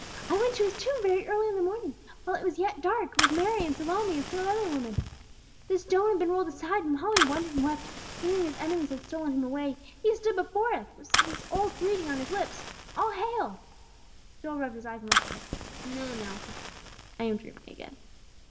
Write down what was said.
"I went to His tomb very early in the morning, while it was yet dark, with Mary and Salome and some other women. The stone had been rolled aside; and while we wondered and wept, fearing His enemies had stolen Him away, He stood before us, with His old greeting on His lips, 'All hail!'" Joel rubbed his eyes and looked at her. "No, no!" he said wearily, "I am dreaming again!"